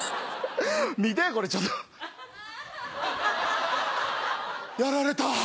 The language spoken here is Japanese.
見てこれちょっと。